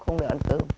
không được ăn cơm